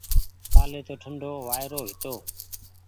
ڪآلي تو ٺنڍو وآئيرو هيتو۔